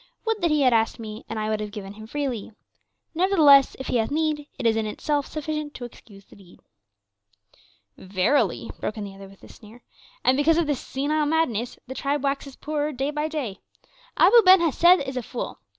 Would that he had asked me, and I would have given him freely; nevertheless if he hath need, it is in itself sufficient to excuse the deed.'" "Verily," broke in the other with a sneer, "and because of this senile madness the tribe waxes poorer day by day. Abu Ben Hesed is a fool!